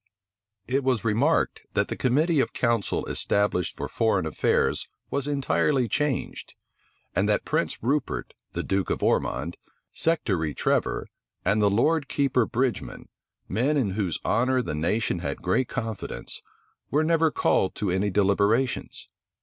It was remarked, that the committee of council established for foreign affairs was entirely changed; and that Prince Rupert the duke of Ormond, Sectary Trevor, and Lord Keeper Bridgeman, men in whose honor the nation had great confidence, were never called to any deliberations.